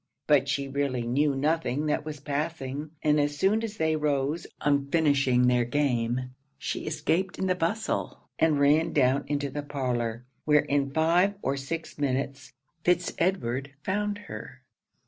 But she really knew nothing that was passing; and as soon as they rose on finishing their game, she escaped in the bustle, and ran down into the parlour, where in five or six minutes Fitz Edward found her.